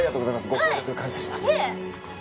ご協力感謝します。